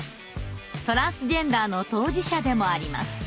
トランスジェンダーの当事者でもあります。